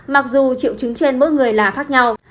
mặc dù triệu chứng trên mỗi người là khác nhau